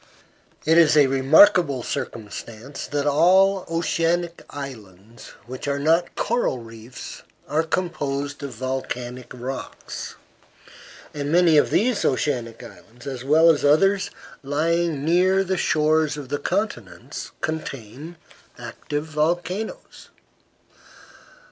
It is a remarkable circumstance that all the oceanic islands which are not coral reefs are composed of volcanic rocks; and many of these oceanic islands, as well as others lying near the shores of the continents, contain active volcanoes.